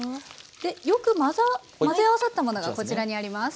でよく混ぜ合わさったものがこちらにあります。